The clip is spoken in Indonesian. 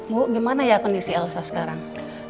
bu gimana ya kondisi elsa sekarang